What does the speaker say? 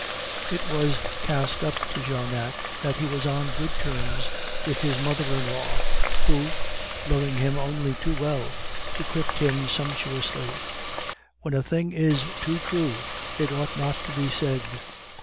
It was cast up to Jarnac that he was on good terms with his mother in law, who, loving him only too well, equipped him sumptuously. When a thing is so true, it ought not to be said.